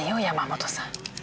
山本さん。